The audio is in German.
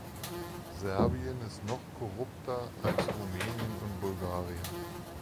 Serbien ist noch korrupter als Rumänien und Bulgarien.